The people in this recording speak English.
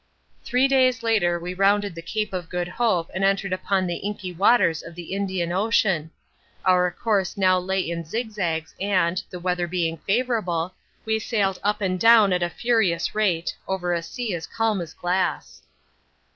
Three days later we rounded the Cape of Good Hope and entered upon the inky waters of the Indian Ocean. Our course lay now in zigzags and, the weather being favourable, we sailed up and down at a furious rate over a sea as calm as glass.